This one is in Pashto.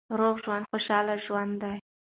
روغ ژوند خوشاله ژوند دی.